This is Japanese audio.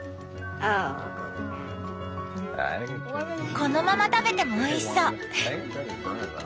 このまま食べてもおいしそう！